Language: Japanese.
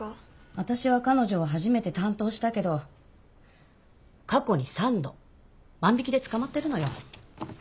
私は彼女を初めて担当したけど過去に３度万引で捕まってるのよ。